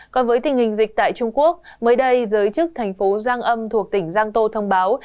còn với tình hình dịch tại trung quốc mới đây giới chức thành phố giang âm thuộc tỉnh giang tô thông báo